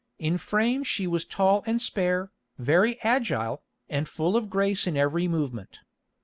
In frame she was tall and spare, very agile, and full of grace in every movement.